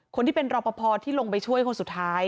คนที่เป็นรอปภที่ลงไปช่วยคนสุดท้าย